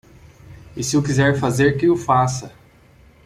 E se o quiser fazer que o faça.